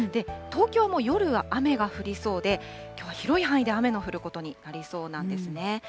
東京も夜は雨が降りそうで、きょうは広い範囲で雨の降ることになりそうなんですね。